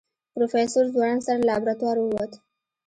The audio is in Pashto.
پروفيسر ځوړند سر له لابراتواره ووت.